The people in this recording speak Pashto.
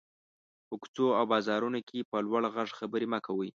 په کوڅو او بازارونو کې په لوړ غږ خبري مه کوٸ.